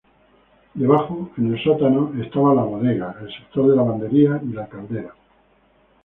Debajo, en el sótano, estaban la bodega, el sector de lavandería y la caldera.